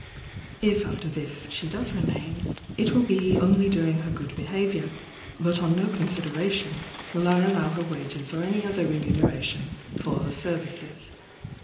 If after this she does remain, it will be only during her good behaviour: but on no consideration will I allow her wages or any other remuneration for her services.